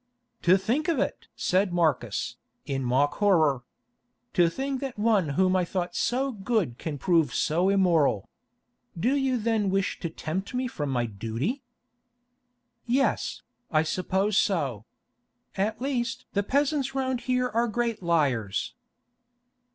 "To think of it!" said Marcus, in mock horror. "To think that one whom I thought so good can prove so immoral. Do you then wish to tempt me from my duty?" "Yes, I suppose so. At least the peasants round here are great liars."